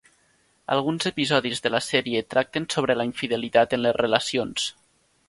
Alguns episodis de la sèrie tracten sobre la infidelitat en les relacions.